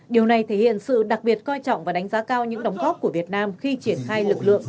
điều này thể hiện sự đặc biệt coi trọng và đánh giá cao những đóng góp của việt nam khi triển khai lực lượng